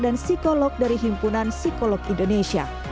dan psikolog dari himpunan psikolog indonesia